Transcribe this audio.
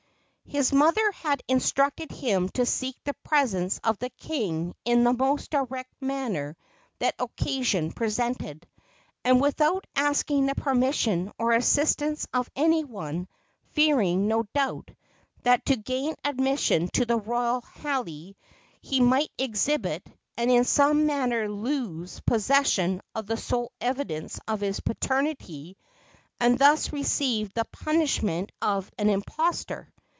His mother had instructed him to seek the presence of the king in the most direct manner that occasion presented, and without asking the permission or assistance of any one, fearing, no doubt, that, to gain admission to the royal hale, he might exhibit and in some manner lose possession of the sole evidences of his paternity, and thus receive the punishment of an impostor.